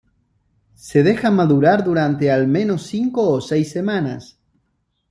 Se deja madurar durante al menos cinco o seis semanas.